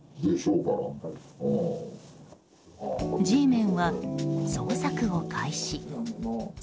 Ｇメンは捜索を開始。